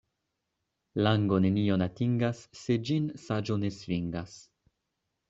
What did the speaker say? Lango nenion atingas, se ĝin saĝo ne svingas.